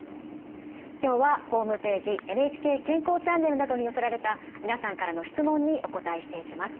今日はホームページ「ＮＨＫ健康チャンネル」などに寄せられた皆さんからの質問にお答えしていきます。